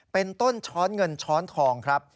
เป็นต้นช้อนเงินช้อนทองครับ